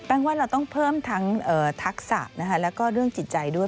ว่าเราต้องเพิ่มทั้งทักษะแล้วก็เรื่องจิตใจด้วย